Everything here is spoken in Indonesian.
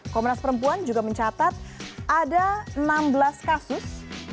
komnas perempuan juga mencatat ada enam belas kasus